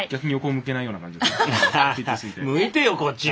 向いてよ、こっちに。